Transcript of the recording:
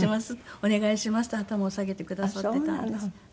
「お願いします」って頭を下げてくださっていたんです。